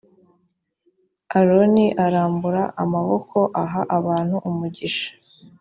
aroni arambura amaboko aha abantu umugisha